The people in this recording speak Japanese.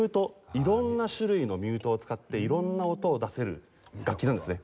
いろんな種類のミュートを使っていろんな音を出せる楽器なんですね。